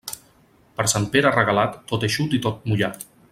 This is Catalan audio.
Per Sant Pere Regalat, tot eixut o tot mullat.